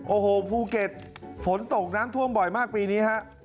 โอ้โหภูเก็ตฝนตกน้ำท่วมบ่อยมากปีนี้ฮะ